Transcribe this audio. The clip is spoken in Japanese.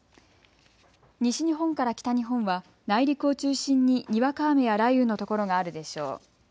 西日本から北日本は内陸を中心ににわか雨や雷雨の所があるでしょう。